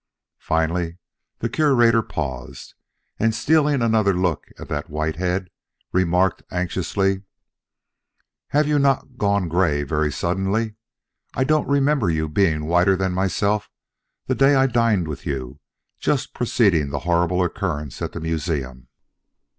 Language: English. Finally the Curator paused, and stealing another look at that white head, remarked anxiously: "Have you not grown gray very suddenly? I don't remember your being whiter than myself the day I dined with you just preceding the horrible occurrence at the museum."